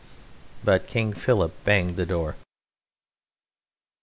But King Philip banged the door.